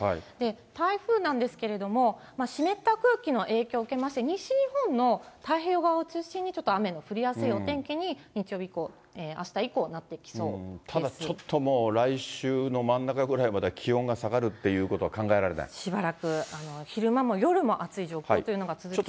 台風なんですけれども、湿った空気の影響受けまして、西日本の太平洋側を中心に、雨の降りやすいお天気に日曜日以降、ただ、ちょっと、来週の真ん中ぐらいまでは気温が下がるっていうことは考えられなしばらく、昼間も夜も暑い状況というのが続きそうです。